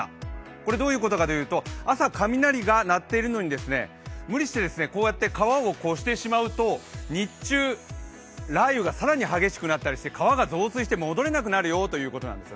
これどういうことかというと、朝、雷が鳴っているのに無理して川を越してしまうと日中、川が増水したりして更に激しくなったりして川が増水して戻れなくなるよということなんです。